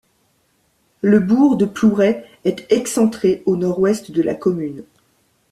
Le bourg de Plouray est excentré au nord-ouest de la commune.